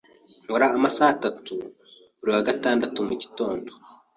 Nkora amasaha atatu buri wa gatandatu mugitondo.